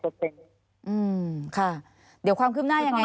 อืมค่ะเดี๋ยวความคืบหน้ายังไง